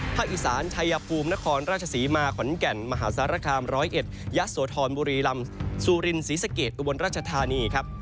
ภาคอีสานชายภูมินครราชศรีมาขวัญแก่นมหาศรกรรมร้อยเอ็ดยะโสธรบุรีลำซูรินศรีสะเกดอุบลราชธานีครับ